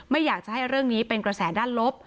ไม่อยากจะให้เรื่องนี้เป็นกระแสด้านลบ